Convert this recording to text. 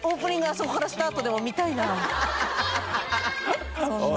そこからスタートでも見たいな魯魯蓮